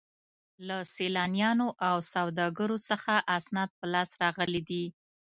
له سیلانیانو او سوداګرو څخه اسناد په لاس راغلي دي.